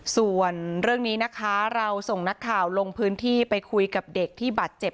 ส่วนเรื่องนี้นะคะเราส่งนักข่าวลงพื้นที่ไปคุยกับเด็กที่บาดเจ็บ